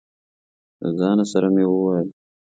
له ځانه سره مې وويل: